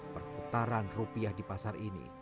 perputaran rupiah di pasar ini